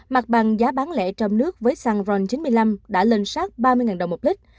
mặt bằng giá bán lẻ trong nước với xăng ron chín mươi năm đã lên sát ba mươi đồng một lít